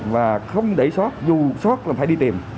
và không để sót dù sót là phải đi tìm